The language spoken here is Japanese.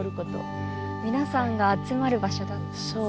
皆さんが集まる場所だったんですね。